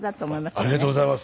ありがとうございます。